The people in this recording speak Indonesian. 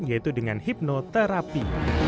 yaitu dengan hipnoterapi